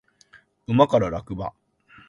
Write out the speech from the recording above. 馬から落馬